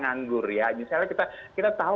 nganggur ya misalnya kita tahu